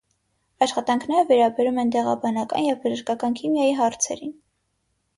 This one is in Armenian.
Աշխատանքները վերաբերում են դեղաբանական և բժշկական քիմիայի հարցերին։